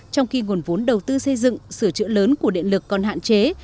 trong khi nguồn vốn đầu tư xây dựng sửa chữa lớn của điện lực còn hạn chế